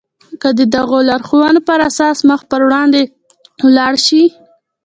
که د دغو لارښوونو پر اساس مخ پر وړاندې ولاړ شئ.